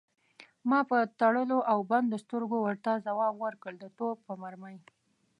ما په تړلو او بندو سترګو ورته ځواب ورکړ: د توپ په مرمۍ.